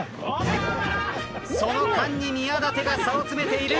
その間に宮舘が差を詰めている。